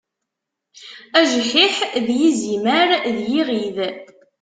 Ajḥiḥ d yizimer d yiɣid.